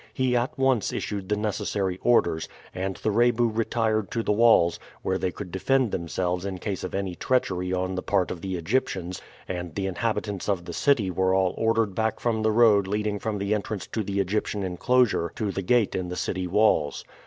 He at once issued the necessary orders, and the Rebu retired to the walls, where they could defend themselves in case of any treachery on the part of the Egyptians, and the inhabitants of the city were all ordered back from the road leading from the entrance to the Egyptian inclosure to the gate in the city walls.